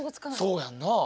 そうやんな。